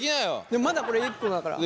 でもまだこれ一個だから。